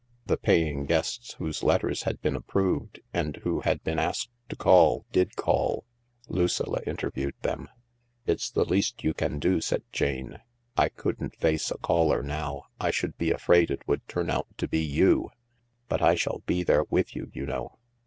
The paying guests whose letters had been approved, THE LARK and who had been asked to call, did call. Lucilla interviewed them. " It's the least you can do," said Jane. " I couldn't face a caller now j I should be afraid it would turn out to be you." " But I shall be there with you, you know."